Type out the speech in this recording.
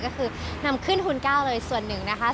ก็คือนำขึ้นทุน๙เลยส่วนหนึ่งนะคะ